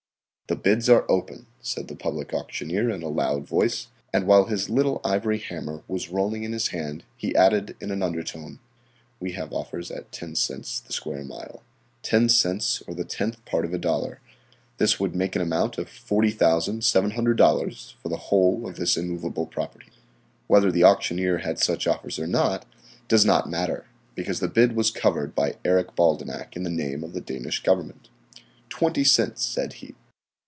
"The bids are open," said the public auctioneer in a loud voice, and while his little ivory hammer was rolling in his hand he added in an undertone: "We have offers at 10 cents the square mile. Ten cents or the tenth part of a dollar this would make an amount of $40,700 for the whole of this immovable property." Whether the auctioneer had had such offers or not does not matter, because the bid was covered by Eric Baldenak in the name of the Danish Government. "Twenty cents," said he.